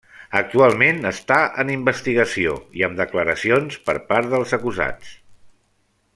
Actualment està en investigació, i amb declaracions per part dels acusats.